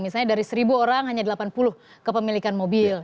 misalnya dari seribu orang hanya delapan puluh kepemilikan mobil